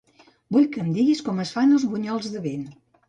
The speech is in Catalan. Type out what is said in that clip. Vull que em diguis com es fan els bunyols de vent.